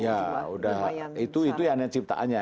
ya udah itu yang ciptaannya